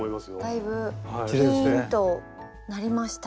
だいぶピーンとなりました。